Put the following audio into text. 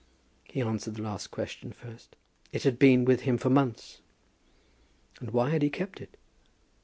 He answered the last question first. "It had been with him for months." And why had he kept it?